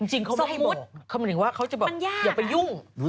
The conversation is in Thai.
จริงเขาไม่ให้บอก